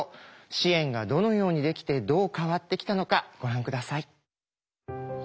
支援がどのようにできてどう変わってきたのかご覧下さい。